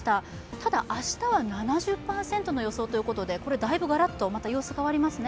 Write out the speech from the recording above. ただ、明日は７０％の予想ということで大分ガラッと様相変わりますね。